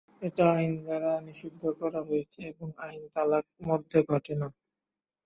এটা আইন দ্বারা নিষিদ্ধ করা হয়েছে এবং আইন তালাক মধ্যে ঘটে না।